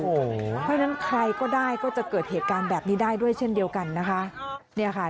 เพราะฉะนั้นใครก็ได้ก็จะเกิดเหตุการณ์แบบนี้ได้ด้วยเช่นเดียวกันนะคะ